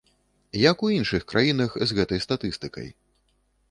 Як у іншых краінах з гэтай статыстыкай?